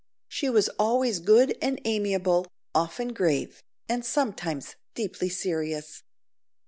She was always good and amiable, often grave, and sometimes deeply serious.